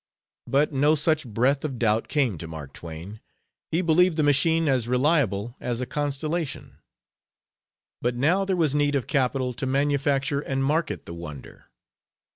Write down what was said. But no such breath of doubt came to Mark Twain; he believed the machine as reliable as a constellation. But now there was need of capital to manufacture and market the wonder.